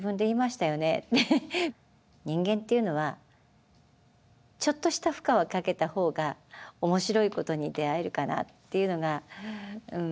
人間っていうのはちょっとした負荷はかけた方がおもしろいことに出会えるかなっていうのがうん。